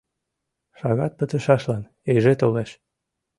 Шагат пытышашлан иже толеш.